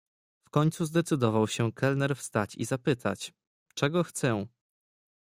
"W końcu zdecydował się kelner wstać i zapytać, czego chcę."